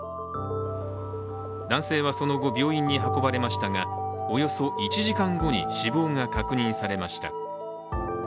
男性はその後、病院に運ばれましたがおよそ１時間後に死亡が確認されました。